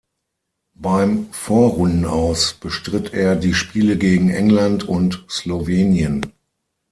Beim Vorrunden-Aus bestritt er die Spiele gegen England und Slowenien.